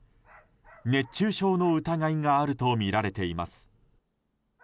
熱中症の疑いがあるとみられています。